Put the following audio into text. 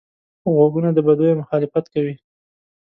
غوږونه د بدیو مخالفت کوي